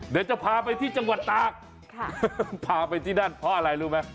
เดี๋ยวจะพาไปที่จังหวัดตากพาไปที่นั่นเพราะอะไรรู้ไหม